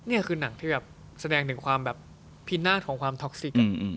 นี่คือหนังที่แบบแสดงถึงความแบบพินาศของความท็อกซิก